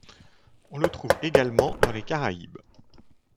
On le trouve également dans les Caraïbes.